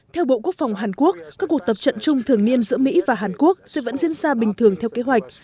theo bộ quốc phòng hàn quốc các cuộc tập trận chung thường niên giữa mỹ và hàn quốc sẽ vẫn diễn ra bình thường theo kế hoạch